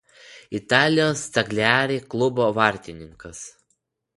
Italijos Cagliari klubo vartininkas.